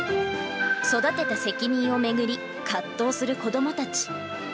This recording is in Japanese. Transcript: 育てた責任を巡り、葛藤する子どもたち。